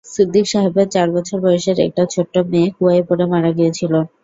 সিদ্দিক সাহেবের চার বছর বয়সের একটা ছোট্ট মেয়ে কুয়ায় পড়ে মারা গিয়েছিল।